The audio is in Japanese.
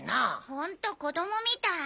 ホント子供みたい。